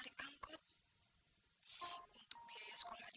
nanti suatu saat